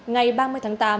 ngày ba mươi tháng tám